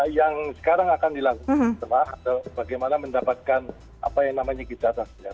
yang sekarang akan dilakukan adalah bagaimana mendapatkan apa yang namanya gita